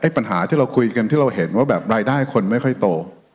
ปัญหาที่เราคุยกันที่เราเห็นว่าแบบรายได้คนไม่ค่อยโต